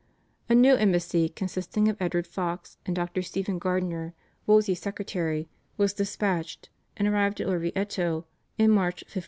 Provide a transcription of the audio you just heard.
A new embassy, consisting of Edward Foxe, and Dr. Stephen Gardiner, Wolsey's secretary, was dispatched, and arrived at Orvieto in March 1528.